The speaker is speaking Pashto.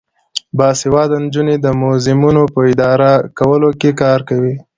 باسواده نجونې د موزیمونو په اداره کولو کې کار کوي.